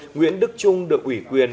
nguyễn đức trung được ủy quyền